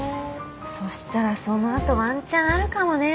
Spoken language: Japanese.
そしたらそのあとワンチャンあるかもね。